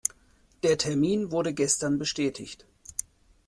Der Termin wurde gestern bestätigt.